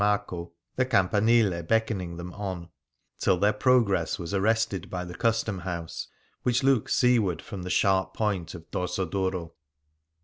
Marco, the Campanile beckoning them on, till their progress was arrested by the Custom House, which looks seaward from the sharp point of Dorsoduro.